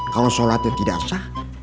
kalau sholatnya tidak sah